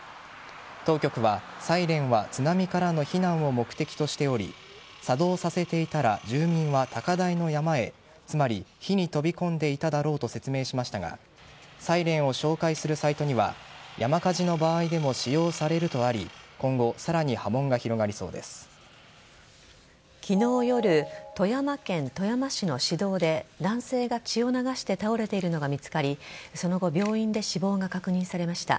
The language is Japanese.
当局は、サイレンは津波からの避難を目的としており作動させていたら住民は高台の山へつまり火に飛び込んでいただろうと説明しましたがサイレンを紹介するサイトには山火事の場合でも使用されるとあり今後、さらに昨日夜、富山県富山市の市道で男性が血を流して倒れているのが見つかりその後病院で死亡が確認されました。